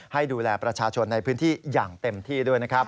ให้ดูแลประชาชนในพื้นที่อย่างเต็มที่ด้วยนะครับ